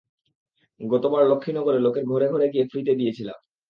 গতবার, লক্ষ্মীনগরে, লোকের ঘরে ঘরে গিয়ে ফ্রী-তে দিয়েছিলাম।